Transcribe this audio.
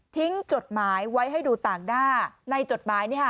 ทิ้งจดหมายไว้ให้ดูต่างหน้าในจดหมายนี้ค่ะ